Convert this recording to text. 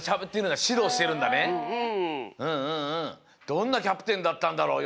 どんなキャプテンだったんだろう？